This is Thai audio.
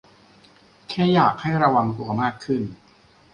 แค่อยากให้ระวังตัวมากขึ้น